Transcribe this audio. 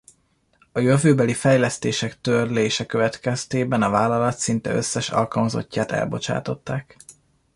A jövőbeli fejlesztések törlése következtében a vállalat szinte összes alkalmazottját elbocsátották.